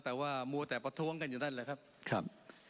แต่ว่ามัวแต่ประท้วงกันอยู่นั่นแหละครับ